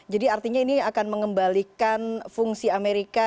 artinya ini akan mengembalikan fungsi amerika